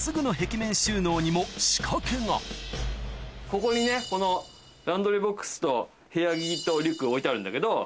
ここにねこのランドリーボックスと部屋着とリュック置いてあるんだけど。